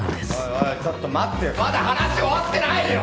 おいおいちょっと待ってよまだ話終わってないよ！